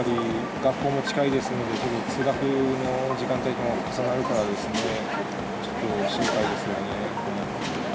学校も近いですので、通学の時間帯とも重なるからですね、ちょっと心配ですよね。